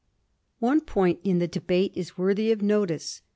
*• One point in the debate is worthy of notice.